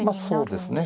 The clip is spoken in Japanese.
そうですね